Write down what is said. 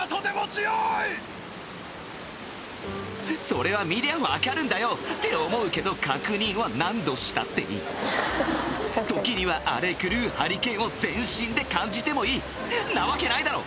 それは見りゃ分かるんだよって思うけど確認は何度したっていい時には荒れ狂うハリケーンを全身で感じてもいいなわけないだろ！